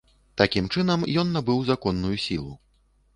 Такім чынам ён набыў законную сілу.